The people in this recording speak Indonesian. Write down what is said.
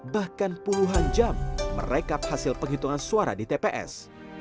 bahkan puluhan jam merekap hasil penghitungan suara di tps